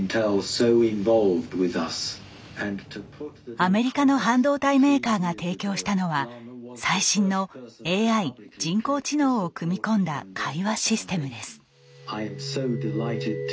アメリカの半導体メーカーが提供したのは最新のＡＩ人工知能を組み込んだ会話システムです。